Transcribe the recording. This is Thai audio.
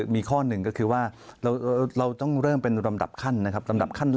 มีข้อหนึ่งก็คือว่าเราต้องเริ่มเป็นลำดับขั้นนะครับลำดับขั้น